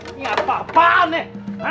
ini apa apaan nek